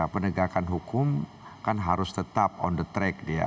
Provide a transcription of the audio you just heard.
penegakan hukum kan harus tetap on the track dia